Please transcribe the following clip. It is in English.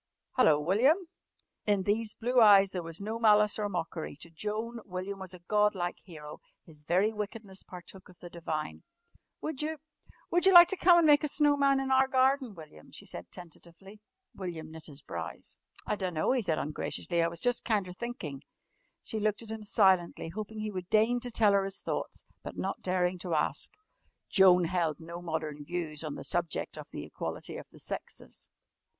"Hello, William!" In these blue eyes there was no malice or mockery. To Joan William was a god like hero. His very wickedness partook of the divine. "Would you would you like to come an' make a snow man in our garden, William?" she said tentatively. William knit his brows. "I dunno," he said ungraciously. "I was jus' kinder thinkin'." She looked at him silently, hoping that he would deign to tell her his thoughts, but not daring to ask. Joan held no modern views on the subject of the equality of the sexes.